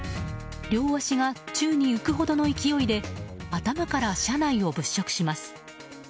両足が宙に浮くほどの勢いで頭から車内を物色します。